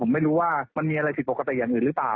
ผมไม่รู้ว่ามันมีอะไรผิดปกติอย่างอื่นหรือเปล่า